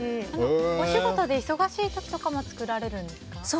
お仕事で忙しい時なども作られるんですか？